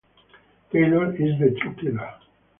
Taylor is the true killer.